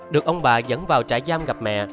được ông bà dẫn vào trại giam gặp mẹ